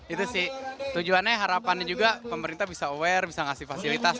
itu sih tujuannya harapannya juga pemerintah bisa aware bisa ngasih fasilitas